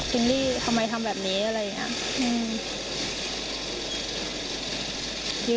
ลี่ทำไมทำแบบนี้อะไรอย่างนี้